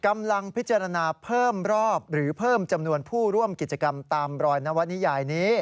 กำลังพิจารณาเพิ่มรอบหรือเพิ่มจำนวนผู้ร่วมกิจกรรมตามรอยนวนิยายนี้